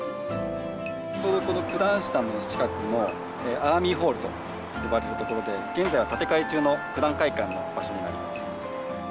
ちょうどこの九段下の近くの、アーミイホールと呼ばれるところで、現在は建て替え中の九段会館の場所になります。